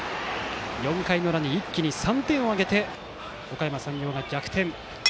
４回の裏、一気に３点を挙げておかやま山陽が逆転。